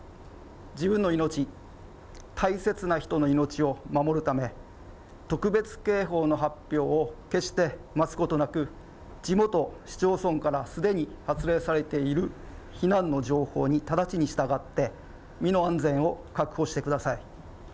自分の命、大切な人の命を守るため特別警報の発表を決して待つことなく地元市町村からすでに発令されている避難の情報に直ちに従って身の安全を確保してください。